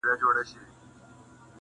زه دا نه وایم چي -